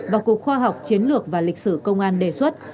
và cục khoa học chiến lược và lịch sử công an đề xuất